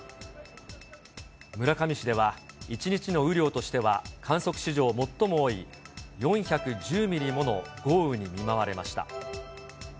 村上市では、１日の雨量としては観測史上最も多い、４１０ミリもの豪雨に見舞われました。